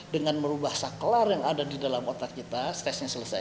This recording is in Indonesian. dengan merubah saklar yang ada di dalam otak kita stresnya selesai